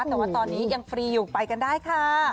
แต่ว่าตอนนี้ยังฟรีอยู่ไปกันได้ค่ะ